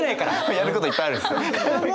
やることいっぱいあるんです。